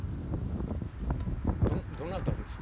どどなたです？